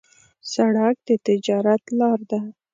سړک د تجارت لار ده.